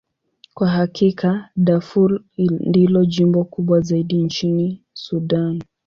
Kwa hakika, Darfur ndilo jimbo kubwa zaidi nchini Sudan.